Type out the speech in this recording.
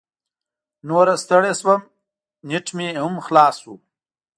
نوره ستړې شوم، نیټ مې هم خلاص شو.